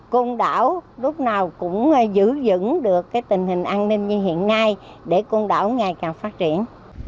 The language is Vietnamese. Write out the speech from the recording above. công đảo lúc nào cũng giữ giữ được cái tình hình an ninh như hiện nay để công đảo ngày càng phát triển